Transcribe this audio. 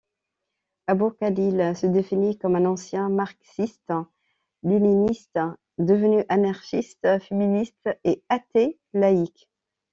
Abu Khalil se définit comme un ancien marxiste-léniniste devenu anarchiste, féministe et athée laïque.